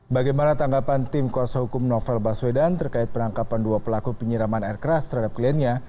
bagaimana tanggapan tim kuasa hukum novel baswedan terkait penangkapan dua pelaku penyiraman air keras terhadap kliennya